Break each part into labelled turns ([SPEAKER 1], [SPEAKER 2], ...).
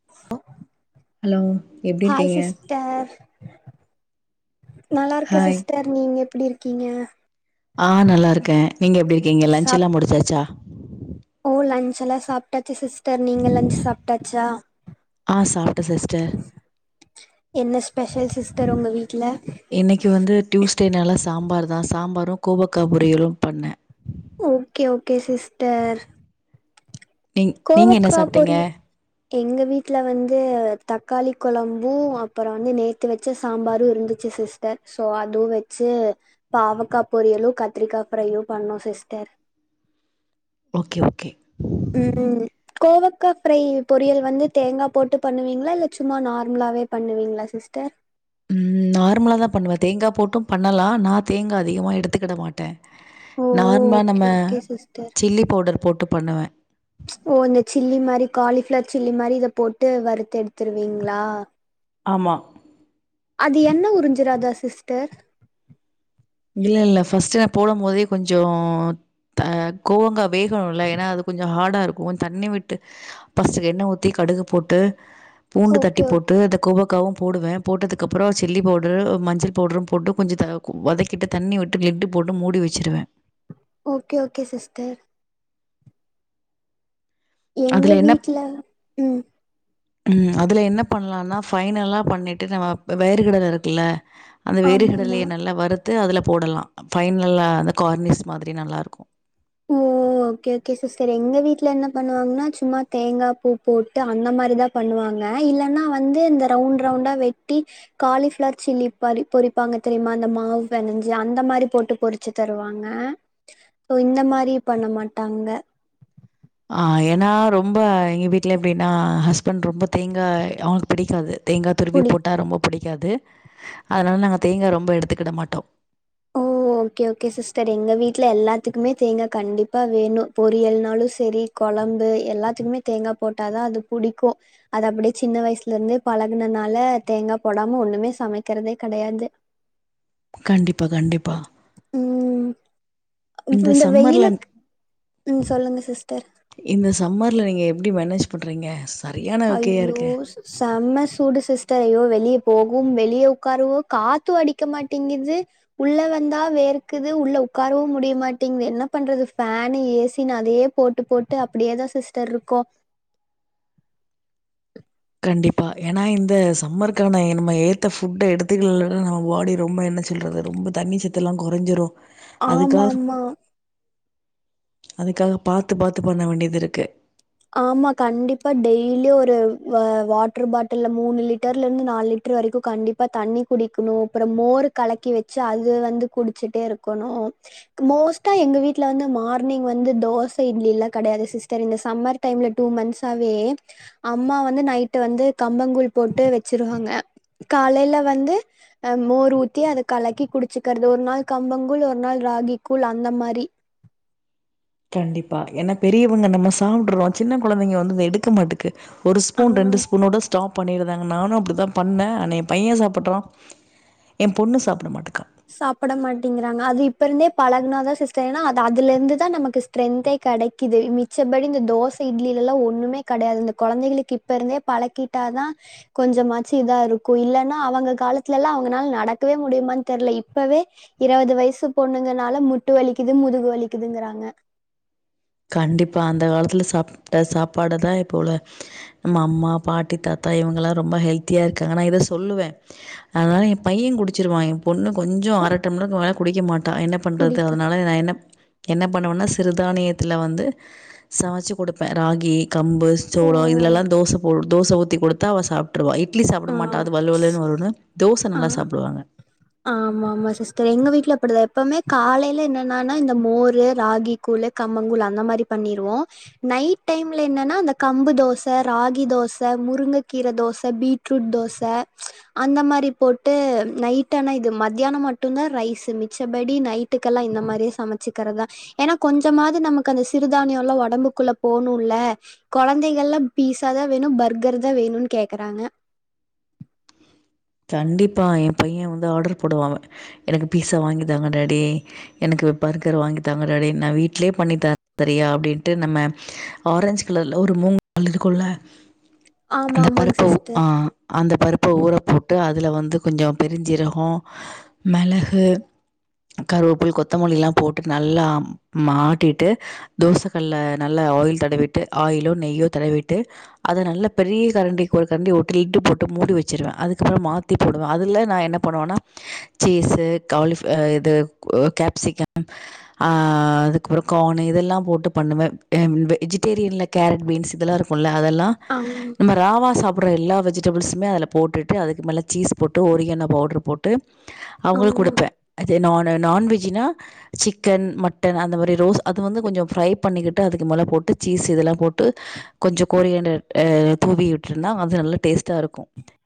[SPEAKER 1] [inaudible]
[SPEAKER 2] Hello எப்டி
[SPEAKER 1] hi
[SPEAKER 2] இருக்கீங்க
[SPEAKER 1] sister நல்லா இருக்க
[SPEAKER 2] ஹாய்
[SPEAKER 1] சிஸ்டர் நீங்க எப்டி இருக்கீங்க
[SPEAKER 2] ஆ நல்லாருக்க நீங்க எப்டி இருக்கீங்க
[SPEAKER 1] சாப்
[SPEAKER 2] லன்செல்லா முடிச்சாச்சா
[SPEAKER 1] ஓ லன்ச்செல்லா எல்லா சாப்ட்டாச்சு சிஸ்டர் நீங்க லன்ச் சாப்ட்டாச்சா
[SPEAKER 2] ஆ சாப்ட்டே சிஸ்டர்
[SPEAKER 1] என்ன ஸ்பெஷல் சிஸ்டர் உங்க வீட்ல
[SPEAKER 2] இன்னிக்கு வந்து டியூஸ்டேனால சாம்பார் தா சாம்பாரு கோவக்கா பொரியளு பண்ண
[SPEAKER 1] ஓகே ஓகே சிஸ்டர்
[SPEAKER 2] நீங் நீங்க என்ன
[SPEAKER 1] கோவக்கா
[SPEAKER 2] சாப்ட்டீங்க
[SPEAKER 1] பொரிய எங்க வீட்ல வந்து தக்காளி கொழம்பு அப்றோ வந்து நேத்து வச் ச சாம்பாரு இருந்துச்சு சிஸ்டர் சோ அதுவு வெச்சு பாவக்கா பொரியலு கத்திரிக்கா ஃப்ரையு பண்ணோ சிஸ்டர்
[SPEAKER 2] ஓகே ஓகே
[SPEAKER 1] ம் கோவக்கா ஃப்ரை பொரியல் வந்து தேங்கா போட்டு பண்ணுவீங்களா இல்ல சும்மா நார்மலாவே பண்ணுவீங்ளா சிஸ்டர்
[SPEAKER 2] ம் நார்மலா தா பண்ணுவ தேங்கா போட்டு பண்ணலா நா தேங்கா அதிகமா எடுத்துக்கிட மாட்ட
[SPEAKER 1] ஓ
[SPEAKER 2] நார்மா
[SPEAKER 1] ஓகே
[SPEAKER 2] நம்ம
[SPEAKER 1] ஓகே சிஸ்டர்
[SPEAKER 2] சில்லி பவ்டர் போட்டு பண்ணுவ
[SPEAKER 1] ஓ இந்த சில்லி மாரி காலிஃப்ளார் சில்லி மாரி இத போட்டு வறுத்து எடுத்துருவீங்ளா
[SPEAKER 2] ஆமா
[SPEAKER 1] அது எண்ண உரிஞ்சிராதா சிஸ்டர்
[SPEAKER 2] இல்ல இல்ல ஃபர்ஸ்ட் போடம்போதே கொஞ்சோ ஆ கோவங்கா வேகணும்ல ஏன்னா அது கொஞ்சோ ஹார்டா இருக்கும் தண்ணி விட்டு ஃபஸ்ட்டு எண்ண ஊத்தி கடுகு போட்டு பூண்டு தட்டி
[SPEAKER 1] ஓகே ஓ
[SPEAKER 2] போட்டு அந்த கோவ காவு போடுவ போட்டதுக்கு அப்றோ சில்லி பவுடர் மஞ்ச பவுட்ரு போட்டு கொஞ்சத வதக் கிட்ட தண்ணி விட்டு லிட்டு போட்டு மூடி வெச்சுருவ
[SPEAKER 1] ஓகே ஓகே சிஸ்டர் எங்க
[SPEAKER 2] அதுல என்ன
[SPEAKER 1] வீட்ல ம்
[SPEAKER 2] ம் அதுல என்ன பண்ணலானா ஃபைனலா பண்ணிட்டு நம்ம வேறுகடல இருக்குல அந்த
[SPEAKER 1] ஆமா ஆமா
[SPEAKER 2] வேறுகடலய நல்லா வறுத்து அதுல போடலா ஃபைனல்லா அந்த கார்னிஸ் மாதிரி நல்லாருக்கும்
[SPEAKER 1] ஓ ஓகே ஓகே சிஸ்டர் எங்க வீட்ல என்ன பண்ணுவாங்கன்னா சும்மா தேங்கா பூ போட்டு அந்த மாரிதா பண்ணுவாங்க இல்லன்னா வந்து இந்த ரவுண்ட் ரவுண்டா வெட்டி காலிஃபிளார் சில்லி பாரி பொறிப்பாங்க தெரியுமா அந்த மாவு பெனஞ்சு அந்த மாரி போட்டு பொறி ச்சு தருவாங்க சோ இந்த மாரி பண்ண மாட்டாங்க
[SPEAKER 2] ஆ ஏன்னா ரொம்ப எங்க வீட்ல எப்டின்னா ஹஸ்பண்ட் ரொம்ப தேங்காய் அவங்ளுக்கு பிடிக்காது தேங்கா துருவி
[SPEAKER 1] புடி
[SPEAKER 2] போட்டா ரொம்ப புடிக்காது அதனால நாங்க தேங்கா ரொம்ப எடுத்துக்கிட மாட்டோ
[SPEAKER 1] ஓ ஓகே ஓகே சிஸ்டர் எங்க வீட்ல எல்லாத்துக்குமே தேங்கா கண்டிப்பா வேணு பொரியல்னாளு சேரி கொழம்பு எல்லாத்துக்குமே தேங்கா போட்டாதான் அது புடிக்கும் அது அப்படியே சின்ன வயசுல இருந்து பழகுனனால தேங்கா போடாம ஒண்ணுமே சமைக்கிறதே கெடையாது
[SPEAKER 2] கண்டிப்பா கண்டிப்பா
[SPEAKER 1] உம் இப்ப இந்த வெயிலுக் உம் சொல்லுங்க சிஸ்டர்
[SPEAKER 2] இந்த சம்மர்ல நீங்க எப்பிடி மேனேஜ் பண்றீங்க சரியான ஓகேயா
[SPEAKER 1] அய்யோ
[SPEAKER 2] இருக்கே.
[SPEAKER 1] சு செம்ம சூடு சிஸ்டர் அய்யோ வெளிய போகவும் வெளிய உட்காரவோ காத்தும் அடிக்க மாட்டேங்குது உள்ள வந்தா வேர்க்குது உள்ள உக்காரவும் முடியமாட்டேங்குது என்ன பண்றது ஃபேனு ஏசினு அதையே போட்டு போட்டு அப்படியே தான் சிஸ்டர் இருக்கோ
[SPEAKER 2] கண்டிப்பா ஏன்னா இந்த சம்மருக்கான என் நம்ம ஏத்த ஃபுட்ட எடுத்துக்கலேனா நம்ம பாடி ரொம்ப என்ன சொல்றது ரொம்ப தண்ணி சத்து எல்லாம் கொறஞ்சிரு அதுக்காக
[SPEAKER 1] ஆமாமா ஆமா
[SPEAKER 2] அதுக்காக பாத்து பாத்து பண்ண வேண்டியது இருக்கு
[SPEAKER 1] ஆமா கண்டிப்பா டெய்லியு ஒரு வ வாட்டர் பாட்டில்ல மூணு லிட்டர்ல இந்து நாலு லி ட்டர் வரிக்கும் கண்டிப்பா தண்ணி குடிக்கணும் அப்புறம் மோர் கலக்கி வெச்சு அது வந்து குடிச்சுட்டே இருக்கணு மோஸ்ட்டா எங்க வீட்ல வந்து மார்னிங் வந்து தோச இட்லில்லா கெடையாது சிஸ்டர் இந்த சம்மர் டைம்ல டூ மந்த்ஸாவே அம்மா வந்து நைட்டு வந்து கம்பங்கூழ் போட்டு வெச்சிருவாங்க காலையில வந்து மோர் ஊத்தி அதக் கலக்கி குடிச்சுக்கிறது ஒரு நாள் கம்பங்கூழ் ஒரு நாள் ராகி கூழ் அந்த மாரி
[SPEAKER 2] கண்டிப்பா ஏனா பெரியவங்க நம்ம சாப்றோம் சின்ன கொழந்தைங்க வந்து எடுக்க மாட்ட கு ஒரு ஸ்பூன்
[SPEAKER 1] ஆ
[SPEAKER 2] ரெண்டு ஸ்பூனோட ஸ்டாப் பண்ணிருந்தாங்க நானும் அப்படி தான் பண்ண ஆனா என் பையன் சாப்பிறான் என் பொண்ணு சாப்ட மாட்டக்கா
[SPEAKER 1] சாப்படமாட்டேங்கிறாங்க அது இப்ப இருந்தே பழகுனாதா சிஸ்டர் ஏன்னா அத அதுலந்து தான் நமக்கு ஸ்ட்ரென்தே கெடைக்குது மிச்சபடி இந்த தோச இட்லிலல்லா ஒண்ணுமே கெடயாது இந்த கொழந்தைகளுக்கு இப்ப இருந்தே பழக்கி ட்டாதா கொஞ்சமாச்சு இதா இருக்கு இல்லன்னா அவங்க காலத்துலல்லா அவங்கனால நடக்கவே முடியுமான்னு தெர்ல இப்பவே இருவது வயசு பொண்ணுங்கனால முட்டு வலிக்குது முதுகு வலிக்குதுங்குறாங்க
[SPEAKER 2] கண்டிப்பா அந்த காலத்துல சாப்ட்ட சாப்பாடதா இப்ப உள்ள நம்ம அம்மா பாட்டி தாத்தா இவங்க எல்லா ரொம்ப ஹெல்த்தியா இருக்காங்க நா இத சொல்லுவே அதனால ஏ பையே குடிச்சிருவா ஏ பொண்ணு கொஞ்சோ
[SPEAKER 1] ஓ,
[SPEAKER 2] அர டம்ளர்க்கு மேல குடிக்க மாட்டா என்ன பண்றது
[SPEAKER 1] குடிக்க
[SPEAKER 2] அதனால நா என்ன என்ன பண்ணுவேன்னா சிறுதானியத்துல வந்து சமச்சி குடுப்பே ராகி கம்பு
[SPEAKER 1] ஓ
[SPEAKER 2] சோளோ இதுலெல்லா தோச போ தோச ஊத்தி குடுத்தா அவ சாப் டுவா இட்லி சாப்ட
[SPEAKER 1] ஆ
[SPEAKER 2] மாட்டா அது வழு வழுன்னு வருன்னு தோச
[SPEAKER 1] ஆ
[SPEAKER 2] நல்லா சாப்டுவாங்க
[SPEAKER 1] ஆமா ஆமா சிஸ்டர் எங்க வீட்ல அப்டிதா எப்பவுமே காலேல என்னன்னன்னா இந்த மோரு ராகி கூழ் கம்மங்கூழ் அந்த மாரி பண்ணிருவோ நைட் டைம்ல என்னன்னா அந்த கம்பு தோச ராகி தோச முருங்கக்கீர தோச பீட் ரூட் தோச அந்த மாரி போட்டு நைட் டானா இது மத்தியானோ மட்டுந்தா ரைஸ் மிச்சபடி நைட்டுக்கெல்லா இந்த மாரியே சமைச்சுக்கிறதா ஏன்னா கொஞ்சமாவது நமக்கு அந்த சிறுதானியோ எல்லா ஒடம்புக்குள்ள போணுல்ல கொழந்தைகள்லா பிஸ்சாதா வேணு பர்கர்தா வேணுன்னு கேக்குறாங்க
[SPEAKER 2] கண்டிப்பா ஏ பையே வந்து ஆர்டர் போடுவா எனக்கு பீஸா வாங்கி தாங்க டாடி எனக்கு பர்கர் வாங்கி தாங்க டாடி நா வீட்லயே பண்ணி தர்றே தறியா அப்டின்ட்டு நம்ம ஆரஞ்ச் கலர்ல ஒரு மூங் தால் இருக்குல்ல
[SPEAKER 1] ஆமா
[SPEAKER 2] அந்த
[SPEAKER 1] ஆமாங்
[SPEAKER 2] பருப்ப ஆ
[SPEAKER 1] சிஸ்டர்
[SPEAKER 2] அந்த பருப்ப ஊற போட்டு அதுல வந்து கொஞ்சோ பெருஞ்சீரகோ மெளகு கருவேப்புல கொத்தமல்லில்லா போட்டு நல்லா ஆட்டிட்டு தோசக் கல்ல நல்லா ஆயில் தடவீட்டு ஆயிலோ நெய்யோ தடவீட்டு அத நல்லா பெரிய கரண்டிக்கு ஒரு கரண்டி ஊத்தி லிட்டு போட்டு மூடி வச்சிருவே அதுக் கப்பறோ மாத்தி போடுவே அதுல நா என்ன பண்ணுவேன்னா சீஸ் காலிஃப் இது கேப்சிகம் ஆ அதுக்கப்றோ கார்ன்னு இதெல்லா போட்டு பண்ணுவே ஆ வெஜிடேரியன்ல கேரட் பீன்ஸ் இதெல்லா இருக்குல்ல அதெல்லா
[SPEAKER 1] ஆங்
[SPEAKER 2] நம்ம ராவா சாப்ட்ற எல்லா வெஜிடபிள்ஸுமே அதுல போட்டுட் டு அதுக்கு மேல சீஸ் போட்டு ஒரிகனோ பவுடர் போட்டு அவங்களுக்கு
[SPEAKER 1] ஓ
[SPEAKER 2] குடுப்பே அதே நானு நான் வெஜினா சிக்கன் மட்டன் அந்த மாரி ரோஸ் அது வந்து கொஞ்சோ ஃப்ரை பண்ணிக்கிட்டு அதுக்கு மேல போட்டு சீஸ் இதெல்லா போட்டு கொஞ்சோ கோரியண்டர் ஆ தூவி விட்டுருந்தா அது நல்ல டேஸ்ட்டா இருக்கு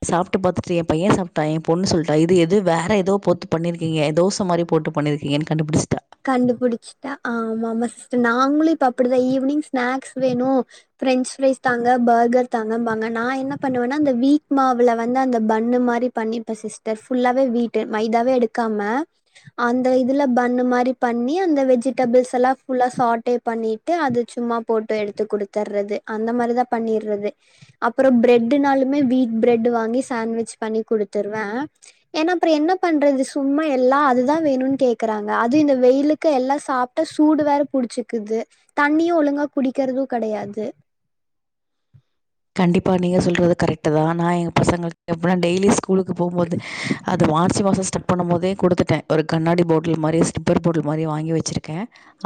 [SPEAKER 2] சாப்ட்டு பாத்துட்டு ஏ பையே சாப்டா ஏ பொண்ணு சொல்லிட்டா இது எது வேற ஏதோ போத்து பண்ணிருக்கீங்க தோச மாரி போட்டு பண்ணிருக் கீங்கன்னு கண்டுபிடிச்சிட்டா
[SPEAKER 1] கண்டுபிடிச்சிட்டா ஆமா ஆமா சிஸ்டர் நாங்களு இப்ப அப்டிதா ஈவினிங் ஸ்நாக்ஸ் வேணு பிரெஞ்ச் ஃப்ரைஸ் தாங்க பர்கர் தாங்கம்பாங்க நா என்ன பண்ணுவேன்னா அந்த வீக் மாவுல வந்து அந்த பன்னு மாரி பண்ணிப்பே சிஸ்டர் ஃபுல்லாவே வீட்டு மைதாவே எடுக்காம அந்த இதுல பன்னு மாரி பண்ணி அந்த வெஜிடபிள்ஸ் எல்லா ஃபுல்லா சாட்டே பண்ணிட்டு அது சும்மா போட்டு எடுத்து குடுத்தர்றது அந்த மாரிதா பண்ணீர்றது அப்பறோ பிரெட்ன்னாலுமே வீட் பிரெட் வாங்கி சாண்ட்விச் பண்ணி குடுத்துருவே ஏன்னா அப்பறோ என்ன பண்றது சும்மா எல்லா அதுதா வேணுன்னு கேக்குறாங்க அதுவு இந்த வெயிலுக்கு எல்லா சாப்ட்டா சூடு வேற புடிச்சிக்குது தண்ணியு ஒழுங்கா குடிக்கிறது கெடையாது
[SPEAKER 2] கண்டிப்பா நீங்க சொல்றது கரெக்ட்தா நா எங்க பசங்களுக்கு டிஃபரெண்ட் டெய்லி ஸ்கூலுக்கு போகும்போது அது மார்ச் மாசோ ஸ்டர் பண்ணும்போதே குடுத்துட்டே ஒரு கண்ணாடி பாட்டில் மாரி ஸ்லிப்பர் பாட்டில் மாரி வாங்கி வெச்சுருக்கே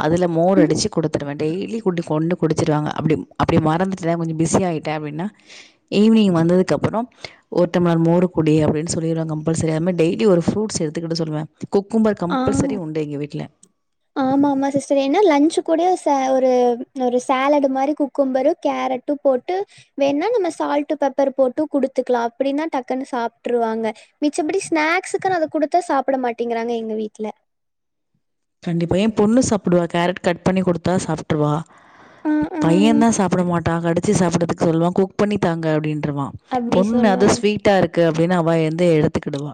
[SPEAKER 2] அதில மோர் அடிச்சு குடுத்துருவே டெய்லி குட்டி கொண்டு குடிச்சுருவாங்க அப்படி அப்படி மறந்துட்டே கொஞ்சோ பிஸியாயிட் டா அப்பின்னா ஈவி்னிங் வந்ததுக்கு அப்பறோ ஒரு டம்ளர் மோரு குடி அப்டின்னு சொல்லடுவே கம்பல்சரி அது மாரி டெய்லி ஒரு ஃப்ரூட்ஸ் எடுத்துக்கிட சொல்லுவே குக்கும்பர் கம்பல்செரி உண்டு எங்க வீட்டுல
[SPEAKER 1] ஆமா ஆமா சிஸ்டர் ஏன்னா லஞ்சு கூட ச ஒரு ஒரு சேலடு மாரி குக்கும்பரும் கேரட் ட்டும் போட்டு வேண்னா நம்ம சால்ட்டு பெப்பர் போட்டும் குடுத்துக்கலா அப்டின்னா டக்குன்னு சாப்புட்ருவாங்க மிச்சப்படி ஸ்நாக்ஸுக்குனு அத குடுத்தா சாப்பிட மாட்டேங்கிறாங்க எங்க வீட்டுல
[SPEAKER 2] கண்டிப்பா ஏ பொண்ணு சாப்டுவா கேரட் கட் பண்ணி குடுத்தா சாப் ருவா பையே தா சாப்பட மாட்டா கடு ச்சு சாப்பறதுக்கு சொல்லுவா குக் பண்ணி தாங்க அப்படின்றவா
[SPEAKER 1] அப்டி
[SPEAKER 2] பொண்ணு அத
[SPEAKER 1] சொல்லுவாங்க.
[SPEAKER 2] ஸ்வீட் ட்டா இருக்கு அப்படின்னு அவ எந்து எடுத்துக்கிடுவா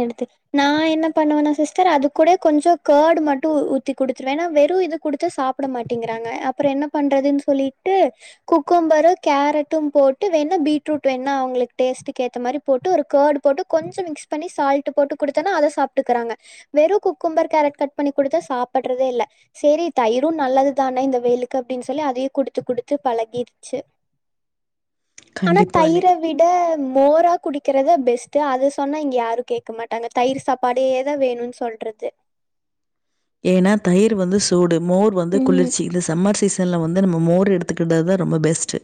[SPEAKER 1] எடுத்து நா என்ன பண்ணுவன்னா சிஸ்டர் அது கூட கொஞ்சோ கர்டு மட்டும் ஊத்தி குடுத்துருவே ஏன்னா வெறும் இது குடுத்தா சாப் பட மாட்டேங்கறாங்க அப்றோ என்ன பண்றதுன்னு சொல்லிட்டு குக்கம்பரும் கேரட்டும் போட்டு வேணா பீட்ரூட் வேணா அவங்களுக்கு டேஸ்ட்க்கு ஏத்த மாரி போட்டு ஒரு கர்டு போட்டு கொஞ்சோ மிக்ஸ் பண்ணி சால்ட் போட்டு குடுத்தேன்னா அத சாப்பிட்டுக்கறாங்க வெறும் குக்கும்பர் கேரட் கட் பண்ணி குடுத்தா சாப்பறதே இல்ல செரி தயிரும் நல்லது தான இந்த வெயிலுக்கு அப்படின்னு சொல்லி அதையும் குடுத்து குடுத்து பழகிருச்சு ஆனா
[SPEAKER 2] கண்டிப்பானே
[SPEAKER 1] தயிர விட மோரா குடிக்கிறதா பெஸ்ட் அது சொன்னா இங்க யாரும் கேட்க மாட்டாங்க தயிர் சாப்பாடே தா வேணுன்னு சொல்றது
[SPEAKER 2] ஏன்னா தயிர் வந்து சூடு மோர் வந்து
[SPEAKER 1] ம்
[SPEAKER 2] குளிர்ச்சி இந்த சம்மர் சிஸ் சன்ல வந்து நம்ம மோர் எடுத்துக்கிடது தா ரொம்ப பெஸ்ட்டு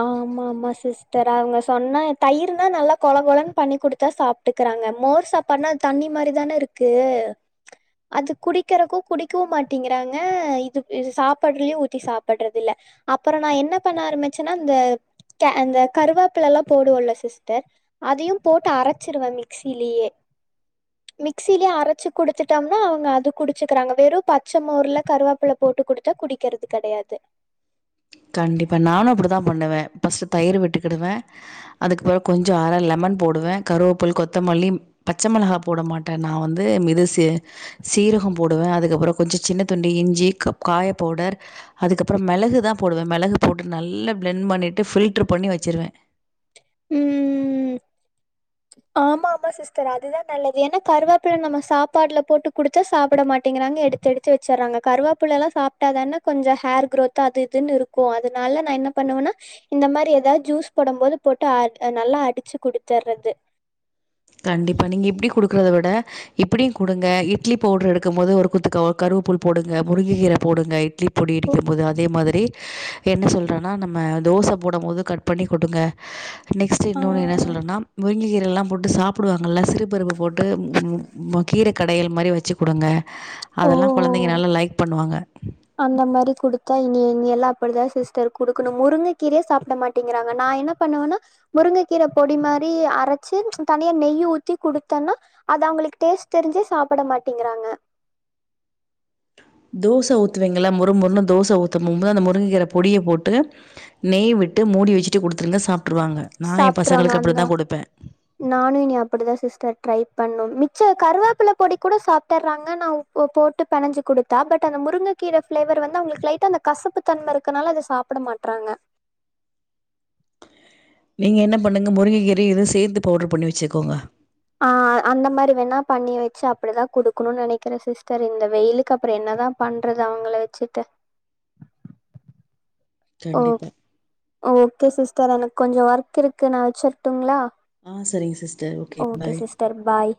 [SPEAKER 1] ஆமா ஆமா சிஸ்டர் அவங்க சொன்னா தயிர்னா நல்லா கொல கொலன்னு பண்ணி குடுத்தா சாப் ட்டுக்கறாங்க மோர் சாப்பாடுனா தண்ணி மாரி தான இருக்கு அது குடிக்கிறக்கும் குடிக்கவும் மாட்டிங்கறாங்க இது இது சாப்படுறலயும் ஊத்தி சாப்படுறது இல்ல அப்புற நா என்ன பண்ண ஆரம்பிச்சேன்னா அந்த கே அந்த கருவாப்புலலாம் போடுவோல சிஸ்டர் அதயும் போட்டு அரச்சிருவே மிக்சிலியே மிக்சிலியே அரச்சி குடுத்துட்டோம்னா அவங்க அது குடிச்சக்கிறாங்க வெறும் பச்ச மோர்ல கருவோப்பல போட்டு குடுத்தா குடிக்கிறது கடயாது
[SPEAKER 2] கண்டிப்பா நானும் அப்படி தா பண்ணுவே ஃபஸ்ட்டு தயிர் விட்டுக்கிடுவே அதுக்கப்றோ கொஞ்ச அர லெமன் போடுவே கருவேப்புல கொத்தமல்லி பச்ச மிளகா போட மாட்டே நா வந்து மிதுச சீரகொ போடுவே அதுக்கப்றோ கொஞ்ச சின்ன துண்டி இஞ்சி கப் காய பவுடர் அதுக்கப்றோ மெளகுதா போடுவே மெளகு போட்டு நல்லா பிளண்ட் பண்ணிட்டு ஃபில்டர் பண்ணி வச்சிருவே
[SPEAKER 1] ம் ஆமா ஆமா சார் சிஸ்டர் அதுதா நல்லது ஏன்னா கருவேப்பில நம்ம சாப்பாட்ல போட்டு குடுத்தா சாப்பிட மாட்டங்கிறாங்க எடுத்து எடுத்து எடுத்து வச்சறாங்க கருவாப்புள்ளலா சாப்ட்டாதான கொஞ்சோ ஹேர் குரோத் அது இதுன்னு இருக்கும் அதனால நா என்ன பண்ணுவேன்னா இந்த மாரி ஏதாவது ஜூஸ் போடும் போது போட்டு அ நல்லா அடிச்சு குடுத்துர்றது
[SPEAKER 2] கண்டிப்பா நீங்க இப்டி குடுக்கறத விட இப்டியும் குடுங்க இட்லி பவுடர் இரு இருக்கும் போது ஒரு குத்து கருவேப்புல போடுங்க முருங்க கீர போடுங்க இட்லி பொடி இடிக்கும் போது அதே மாரி என்ன சொல்றன்னா நம்ம தோச போடும் போது கட் பண்ணி கொடுங்க நெக்ஸ்ட்
[SPEAKER 1] ஆ
[SPEAKER 2] இன்னொனு என்ன சொன்னனா முருங்க கீரலாம் போட்டு சாப் சாப்பிடுவாங்கள சிறுபருப்பு போட்டு கீர கடயல் மாரி வச்சு கொடுங்க அதல்லா கொழந்தைங்க
[SPEAKER 1] ஓ
[SPEAKER 2] நல்லா லைக் பண்ணுவாங்க
[SPEAKER 1] அந்த மாரி குடுத்தா இனிஇங் எல்லாப்படிதா சிஸ்டர் குடுக்கணு முருங்க கீரயே சாப்ட மாட் அப்டிங்கறாங்க நா என்ன பண்ணுவன்னா முருங்கக்கீர பொடி மாரி அரச்சு தனியா நெய்யி ஊத்தி குடுத்தொன்னா அது அவ்ங்களுக்கு டேஸ்ட் தெரிஞ்சே சாப்பிட மாட்டேங்கிறாங்க
[SPEAKER 2] தோச ஊத்துவிங்கள்ள மொரு மொருன்னு தோச ஊத்துமும்போது அந்த முருங்ககீற பொடிய போட்டு நெய் விட்டு மூடி வச்சுட்டு குடுத்துருங்க சாப்ட்டுருவாங்க நா எ
[SPEAKER 1] சாப்ட்ருவாங்க
[SPEAKER 2] பசங்களுக்கு
[SPEAKER 1] அந்த
[SPEAKER 2] அப்படித்தா கொடுப்பே
[SPEAKER 1] நானு இனி அப்டிதா சிஸ்டர் ட்ரை பண்ணு மிச்ச கருவாப்பில பொடி கூட சாப்டர்றாங்க ஆனா போட்டு பனஞ்சு கொடுத்தா பட் அந்த முருங்கைக்கீரை ஃபிளேவர் வந்து அவ்ங்களுக்கு லைட்டா அந்த கசப்பு தன்ம இருக்கனால அத சாப் புட மாட்றாங்க
[SPEAKER 2] நீங்க என்ன பண்ணுங்க முருங்ககீற இதயு சேத்து பவுடர் பண்ணி வச்சுக்கோங்க
[SPEAKER 1] ஆ அந்த மாரி வேணா பண்ணி வச்சு அப்டி தா கொடுக்கணு நினைக்கிற சிஸ்டர் இந்த வெயிலுக்கு அப்புறோ என்ன தா பண்றது அவ்ங்கள வச்சுட்டு ஓ
[SPEAKER 2] கண்டிப்பா
[SPEAKER 1] ஓகே சிஸ்டர் எனக் கொஞ்சோ ஒர்க் இருக்கு நா வச்சருட்டுங்களா
[SPEAKER 2] ஆ செரிங்க சிஸ்டர்
[SPEAKER 1] ஓகே சிஸ்டர் பாய்